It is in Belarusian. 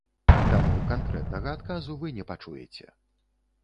Таму канкрэтнага адказу вы не пачуеце.